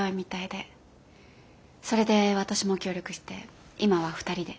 それで私も協力して今は２人で。